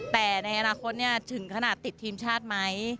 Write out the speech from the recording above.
แต่ในอนาคตถึงขนาดติดทีมชาติไหม